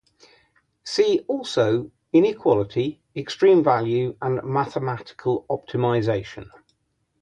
See also inequality, extreme value and mathematical optimization.